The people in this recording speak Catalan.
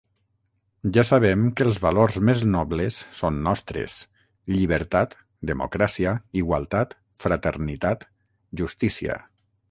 Ja sabem que els valors més nobles són nostres: llibertat, democràcia, igualtat, fraternitat, justícia.